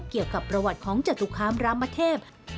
เกี่ยวกับประวัติของจตุคามรามเทพ